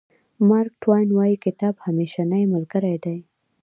مارک ټواین وایي کتاب همېشنۍ ملګری دی.